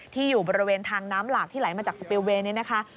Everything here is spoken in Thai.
อยู่บริเวณทางน้ำหลากที่ไหลมาจากสเปลเวย์นี้นะคะ